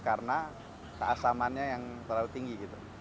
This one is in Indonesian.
karena keasamannya yang terlalu tinggi